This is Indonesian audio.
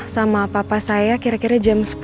sama papa saya kira kira jam sepuluh